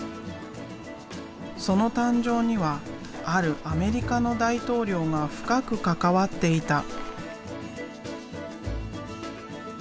その誕生にはあるアメリカの大統領が深く関わっていた。